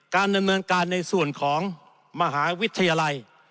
การดำเนินการในส่วนของมหาวิทยาลัย